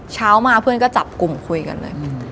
เช้ามาเพื่อนก็จับกลุ่มคุยกันเลย